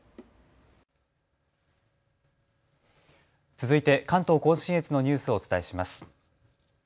続いて関東甲信越のニュースをお伝えします。